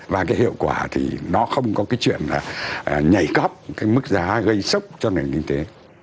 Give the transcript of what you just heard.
và cái hiệu quả thì nó không có cái chuyện là nhảy cóc cái mức giá gây sốc cho nền kinh tế